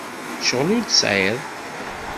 Ccɣel ur t-tesɛiḍ?